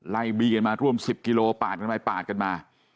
บีกันมาร่วม๑๐กิโลปาดกันไปปาดกันมา